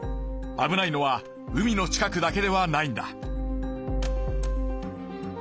危ないのは海の近くだけではないんだ。